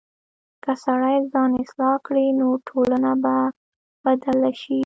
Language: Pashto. که سړی ځان اصلاح کړي، نو ټولنه به بدله شي.